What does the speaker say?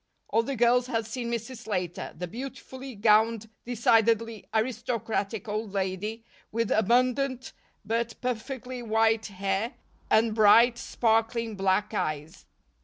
All the girls had seen Mrs. Slater, the beautifully gowned, decidedly aristocratic old lady with abundant but perfectly white hair and bright, sparkling black eyes.